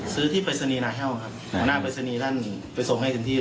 ซื้อที่ฝรั่งเศรษฐ์นะเฮ่าครับหัวหน้าฝรั่งเศรษฐ์ท่านไปส่งให้กันที่เลย